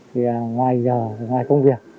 thì ngoài giờ ngoài công việc